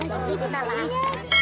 sisi kita lah